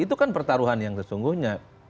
itu kan pertaruhan yang sesungguhnya